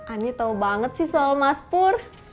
ani tau banget sih soal mas pur